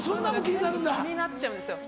全部気になっちゃうんですよ。